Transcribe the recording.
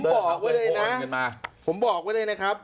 ผมบอกว่าเลยนะโมทขึ้นมาผมบอกว่าเลยนะครับ